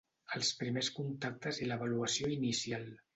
Els primers contactes i l'avaluació inicial.